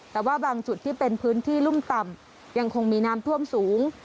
แต่ว่าบางจุดที่เป็นพื้นที่รุ่มต่ำยังคงมีน้ำท่วมสูง